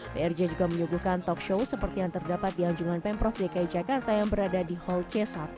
prj juga menyuguhkan talk show seperti yang terdapat di anjungan pemprov dki jakarta yang berada di hall c satu